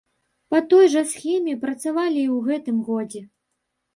Па той жа схеме працавалі і ў гэтым годзе.